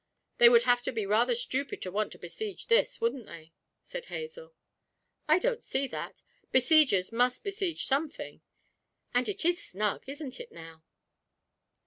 'They would have to be rather stupid to want to besiege this, wouldn't they?' said Hazel. 'I don't see that besiegers must besiege something. And it is snug, isn't it, now?'